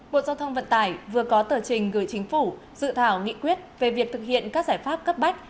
bộ giao thông vận tải vừa có tờ trình gửi chính phủ dự thảo nghị quyết về việc thực hiện các giải pháp cấp bách